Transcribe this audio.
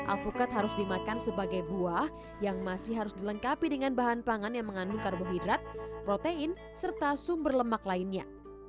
alpukat harus dimakan sebagai buah yang masih harus dilengkapi dengan bahan pangan yang mengandung karbohidrat protein serta sumber lemak lainnya